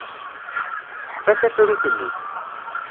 Tesseḥfa tafrut-nni.